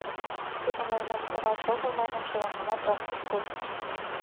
Тудым аймандараш огыл манын, шомакымат ом кышкылт.